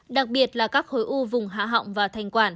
đặc biệt là các khối u vùng hạ họng và thành quản